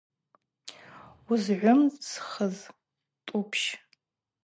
Уызгӏвымсхыз тӏупщ.